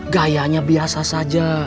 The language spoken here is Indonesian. gayanya biasa saja